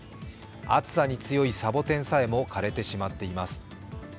暑さに強いサボテンさえも枯れてしまっています。